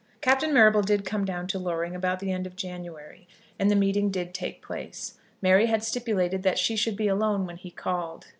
Captain Marrable did come down to Loring about the end of January, and the meeting did take place. Mary had stipulated that she should be alone when he called.